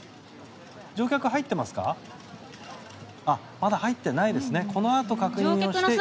まだ入ってないですね。